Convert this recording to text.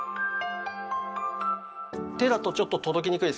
手だとちょっと届きにくいですよね。